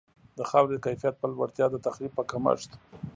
د خاورې د کیفیت په لوړتیا، د تخریب په کمښت.